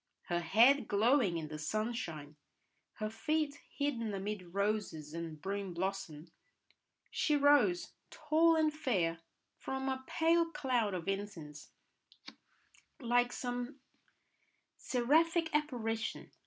Her head glowing in the sun shine, her feet hidden amid roses and broom blossom, she rose, tall and fair, from a pale cloud of incense, like some seraphic apparition.